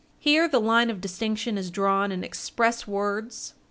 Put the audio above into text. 421 Here the line of distinction is drawn in express words.